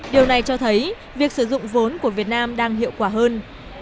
điều này cho thấy việc sử dụng vốn của việt nam đang hiệu quả hơn